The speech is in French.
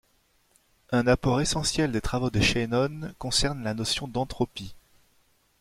Un apport essentiel des travaux de Shannon concerne la notion d'entropie.